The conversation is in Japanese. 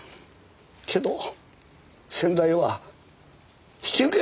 けど先代は引き受けてくれた。